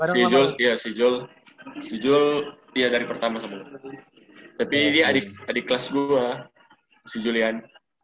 si jul iya si jul si jul iya dari pertama semua tapi ini adik kelas gua si julian